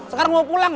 sekarang mau pulang